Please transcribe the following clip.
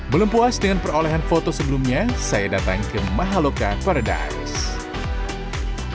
belum puas dengan perolehan foto sebelumnya saya datang ke mahaloka paradise